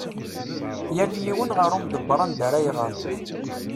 Yal yiwen ɣer umdebber anda ara iɣer.